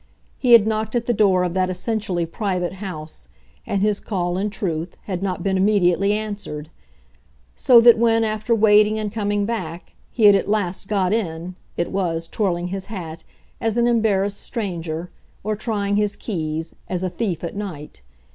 He had knocked at the door of that essentially private house, and his call, in truth, had not been immediately answered; so that when, after waiting and coming back, he had at last got in, it was, twirling his hat, as an embarrassed stranger, or, trying his keys, as a thief at night.